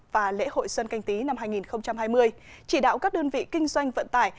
và lễ hội xuân canh tí năm hai nghìn hai mươi chỉ đạo các đơn vị kinh doanh vận tải